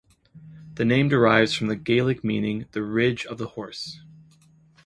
The name derives from the Gaelic meaning 'the ridge of the horse'.